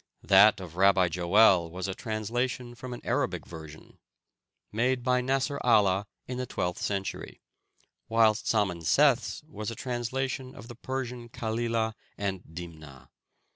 That of Rabbi Joel was a translation from an Arabic version made by Nasr Allah in the twelfth century, whilst Simeon Seth's was a translation of the Persian Kalilah and Dimnah.